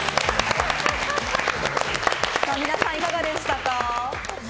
皆さん、いかがでしたか？